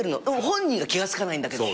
本人が気が付かないんだけど。